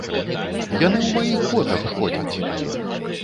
Яны ў маіх ботах ходзяць!